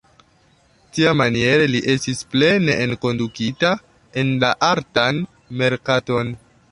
Tiamaniere li estis plene enkondukita en la artan merkaton.